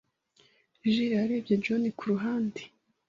Jill yarebye John kuruhande